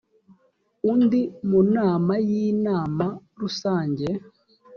undi mu nama y inama rusange